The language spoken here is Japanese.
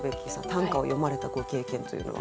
短歌を詠まれたご経験というのは？